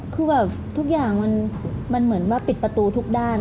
คือแบบทุกอย่างมันเหมือนว่าปิดประตูทุกด้าน